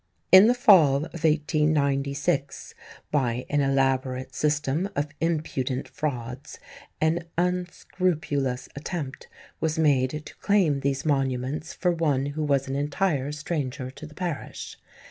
"In the fall of 1896, by an elaborate system of impudent frauds, an unscrupulous attempt was made to claim these monuments for one who was an entire stranger to the parish.